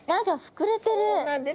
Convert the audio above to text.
何かそうなんです！